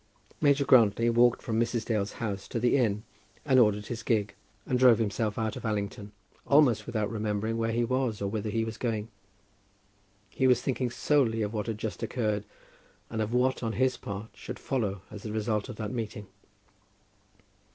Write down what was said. Major Grantly walked from Mrs. Dale's house to the inn and ordered his gig, and drove himself out of Allington, almost without remembering where he was or whither he was going. He was thinking solely of what had just occurred, and of what, on his part, should follow as the result of that meeting.